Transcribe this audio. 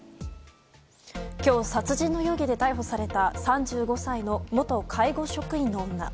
今日、殺人の容疑で逮捕された３５歳の元介護職員の女。